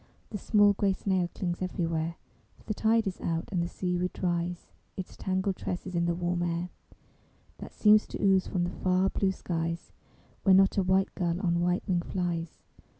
The small gray snail clings everywhere, For the tide is out; and the sea weed dries Its tangled tresses in the warm air, That seems to ooze from the far blue skies, Where not a white gull on white wing flies.